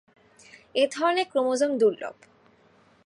এ ধরনের ক্রোমোজোম দুর্লভ।